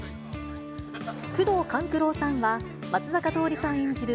宮藤官九郎さんは、松坂桃李さん演じる